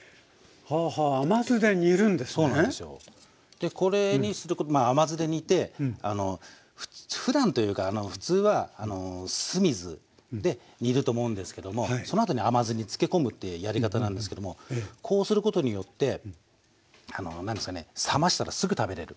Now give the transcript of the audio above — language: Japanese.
でこれにまあ甘酢で煮てふだんというか普通は酢水で煮ると思うんですけどもそのあとに甘酢に漬け込むってやり方なんですけどもこうすることによって何ですかね冷ましたらすぐ食べれる。